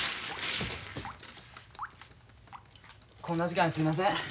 こんな時間にすみません。